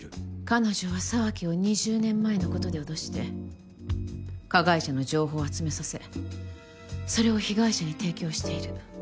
彼女は沢木を２０年前のことで脅して加害者の情報を集めさせそれを被害者に提供している。